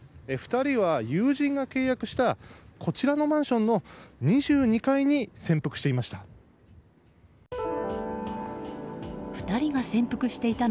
２人は友人が契約したこちらのマンションの２２階に潜伏していました。